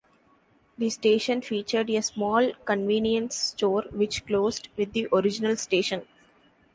The station featured a small convenience store which closed with the original station.